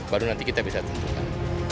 baru nanti kita bisa tentukan